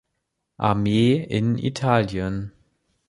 Armee in Italien.